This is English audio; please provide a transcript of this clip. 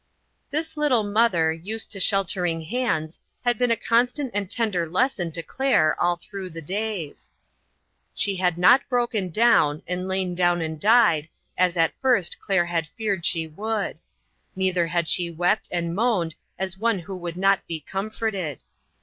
This little mother, used to sheltering hands, had been a constant and tender lesson to Claire all through the days. OUT IN THE WORLD. 43 She had not broken down, and lain down and died, as at first Claire had feared she would ; neither had she wept and moaned as one who would not be comforted.